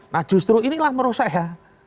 nah justru inilah menurut saya